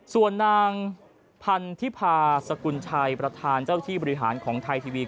ส่วนนางพันธิพาสกุลชัยประธานเจ้าที่บริหารของไทยทีวี